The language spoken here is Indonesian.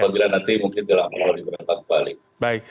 kalau nanti mungkin